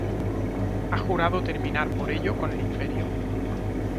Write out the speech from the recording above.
Ha jurado terminar por ello con el Imperio.